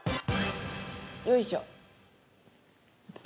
よいしょっ。